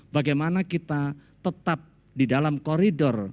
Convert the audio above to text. bagaimana kita tetap di dalam koridor